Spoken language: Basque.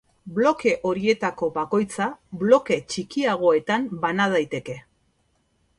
Bloke horietako bakoitza bloke txikiagoetan bana daiteke.